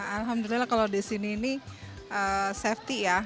alhamdulillah kalau di sini ini safety ya